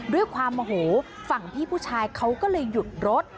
ด้วยความโมโหฝั่งพี่ผู้ชายเขาก็เลยหยุดรถ